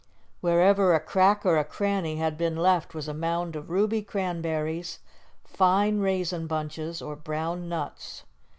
Wherever a crack or a cranny had been left was a mound of ruby cranberries, fine raisin bunches, or brown nuts.